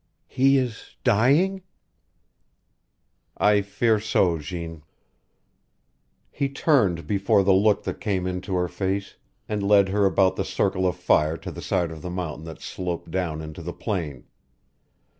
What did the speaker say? "He is dying?" "I fear so, Jeanne." He turned before the look that came into her face, and led her about the circle of fire to the side of the mountain that sloped down into the plain.